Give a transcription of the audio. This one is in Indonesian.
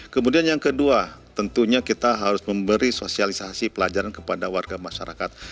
kemudian yang kedua tentunya kita harus memberi sosialisasi pelajaran kepada warga masyarakat